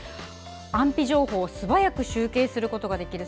安否情報をすばやく集計することができる。